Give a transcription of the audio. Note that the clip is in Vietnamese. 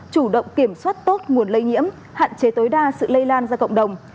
chủ động kiểm soát tốt nguồn lây nhiễm hạn chế tối đa sự lây lan ra cộng đồng